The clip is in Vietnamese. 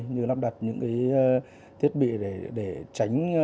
như lắp đặt những cái thiết bị để tránh